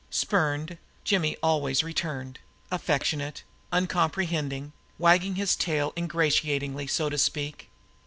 Spurned, Jimmy had always returned, affectionate, uncomprehending, wagging his tail ingratiatingly, so to speak.